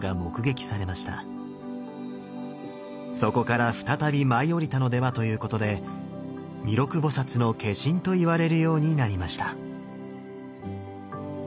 そこから再び舞い降りたのではということで弥勒菩の化身といわれるようになりました。